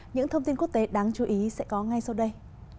những thông tin quốc tế đáng chú ý sẽ có ngay sau đây